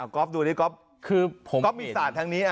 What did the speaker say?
ก๊อฟดูนี่ก๊อฟมีศาสตร์ทางนี้